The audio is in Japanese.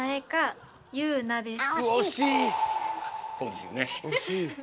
そうですよね。